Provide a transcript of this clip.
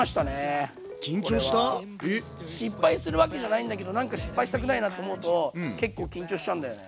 失敗するわけじゃないんだけどなんか失敗したくないなって思うと結構緊張しちゃうんだよね。